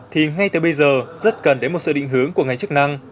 thì ngay từ bây giờ rất cần đến một sự định hướng của ngành chức năng